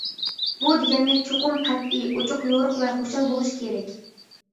بۇ دېگەنلىك: چوقۇم قەتئىي، ئوچۇق-يورۇق ۋە خۇشال بولۇش كېرەك.